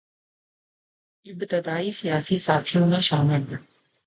ابتدائی سیاسی ساتھیوں میں شامل